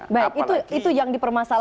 baik itu yang dipermasalahkan